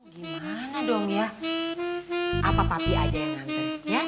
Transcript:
gimana dong ya apa papi aja yang ngantri ya